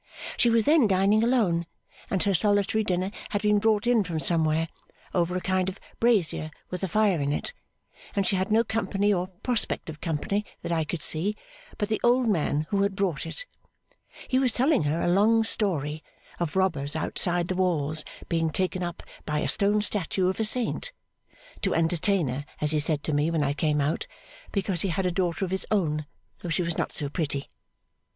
She was then dining alone, and her solitary dinner had been brought in from somewhere, over a kind of brazier with a fire in it, and she had no company or prospect of company, that I could see, but the old man who had brought it. He was telling her a long story (of robbers outside the walls being taken up by a stone statue of a Saint), to entertain her as he said to me when I came out, 'because he had a daughter of his own, though she was not so pretty.